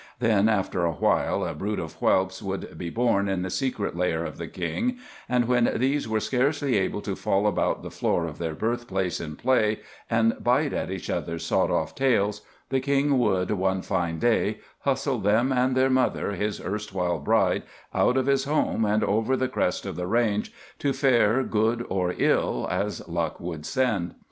Then after a while a brood of whelps would be born in the secret lair of the King, and when these were scarcely able to fall about the floor of their birthplace in play, and bite at each other's sawed off tails, the King would, one fine day, hustle them and their mother, his erstwhile bride, out of his home and over the crest of the range, to fare good or ill, as luck would send.